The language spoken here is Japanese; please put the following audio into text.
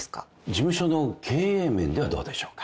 事務所の経営面ではどうでしょうか。